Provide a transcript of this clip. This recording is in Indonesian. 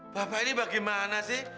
bapak ini bagaimana sih